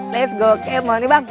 let's go kemoni bang